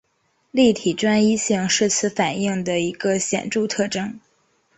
立体专一性是此反应的一个显着特征。